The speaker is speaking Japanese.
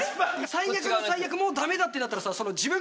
最悪の最悪もうダメだ！ってなったら。